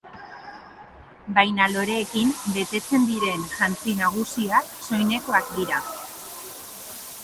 Baina loreekin betetzen diren jantzi nagusiak, soinekoak dira.